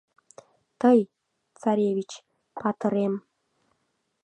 «Тый, царевич, патырем